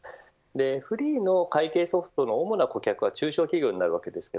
ｆｒｅｅｅの会計ソフトの主な顧客は中小企業になります。